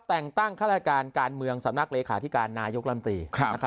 แต่งตั้งฆาตการการเมืองสำนักเลขาธิการนายกลำตี